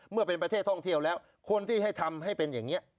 เมื่อเป็นประเทศท่องเที่ยวแล้วคนที่ให้ทำให้เป็นอย่างนี้